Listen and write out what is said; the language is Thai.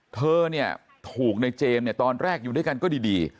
เธอถูกในเจมส์ตอนแรกอยู่ด้วยกันก็ดี